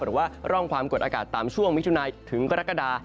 หรือว่าร่องความกดอากาศตามช่วงมิถุนายถึงกรกฎา